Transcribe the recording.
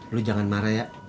lo jangan marah ya